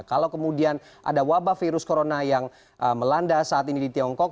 kalau kemudian ada wabah virus corona yang melanda saat ini di tiongkok